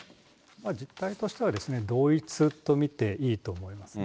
実態としては、同一と見ていいと思いますね。